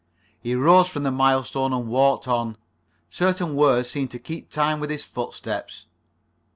He rose from the milestone and walked on. Certain words seemed to keep time with his footsteps.